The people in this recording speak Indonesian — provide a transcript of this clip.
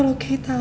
kalau kay tau